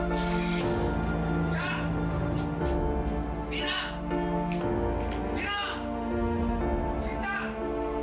meminta kepada tuhan